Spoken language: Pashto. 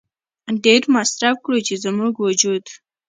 ډېر مصرف کړو چې زموږ وجود